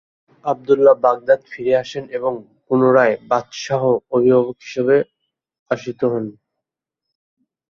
Abdullah Baghdad ফিরে আসেন ও পুনরায় বাদশাহর অভিভাবক হিসেবে আসীন হন।